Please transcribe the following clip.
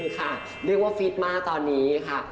ค่ะเรียกว่าฟิตมากตอนนี้ค่ะ